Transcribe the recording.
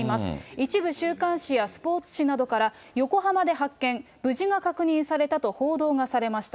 一部週刊誌やスポーツ紙などから、横浜で発見、無事が確認されたと報道がされました。